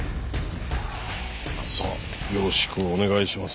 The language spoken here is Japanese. さあよろしくお願いします。